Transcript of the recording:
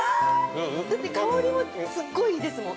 ◆だって香りもすっごいいいですもん。